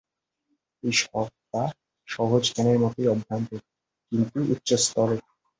এই স্বজ্ঞা সহজজ্ঞানের মতই অভ্রান্ত, কিন্তু উচ্চস্তরে।